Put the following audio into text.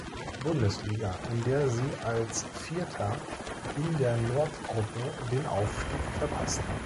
Bundesliga, in der sie als Vierter in der Nordgruppe den Aufstieg verpassten.